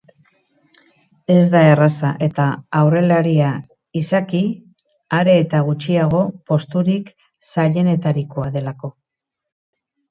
Ez da erraza eta aurrelaria izaki are eta gutxiago posturik zailenetarikoa delako.